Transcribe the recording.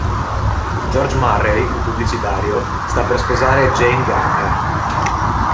George Murray, un pubblicitario, sta per sposare Jane Gardner.